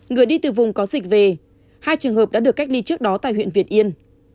người đi từ vùng có dịch về hai trường hợp đã được cách ly trước đó tại huyện việt yên